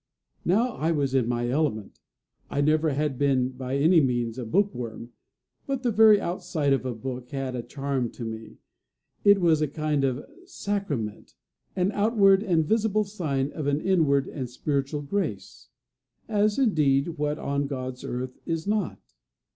Now I was in my element. I never had been by any means a book worm; but the very outside of a book had a charm to me. It was a kind of sacrament an outward and visible sign of an inward and spiritual grace; as, indeed, what on God's earth is not?